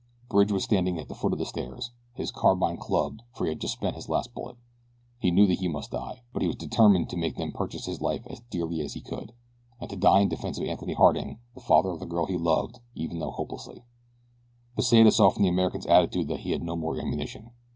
Bridge was standing at the foot of the stairs, his carbine clubbed, for he had just spent his last bullet. He knew that he must die; but he was determined to make them purchase his life as dearly as he could, and to die in defense of Anthony Harding, the father of the girl he loved, even though hopelessly. Pesita saw from the American's attitude that he had no more ammunition.